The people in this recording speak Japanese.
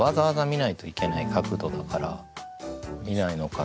だから見ないのかなと思って。